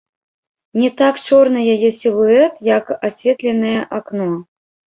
Не так чорны яе сілуэт, як асветленае акно.